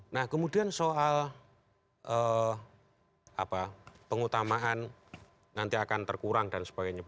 nah kemudian soal pengutamaan nanti akan terkurang dan sebagainya